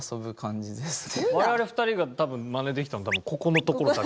ほんと我々２人が多分真似できたの多分ここのところだけです。